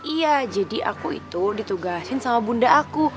iya jadi aku itu ditugasin sama bunda aku